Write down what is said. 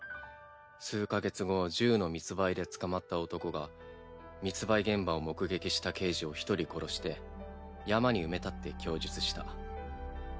数か月後銃の密売で捕まった男が密売現場を目撃した刑事を一人殺して山に埋めたって供述した。